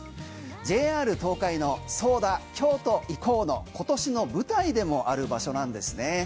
ＪＲ東海の「そうだ京都行こう。」の今年の舞台でもある場所なんですね。